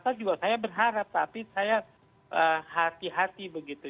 saya juga saya berharap tapi saya hati hati begitu